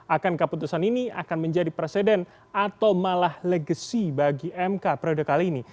akankah putusan ini akan menjadi presiden atau malah legasi bagi mk periode kali ini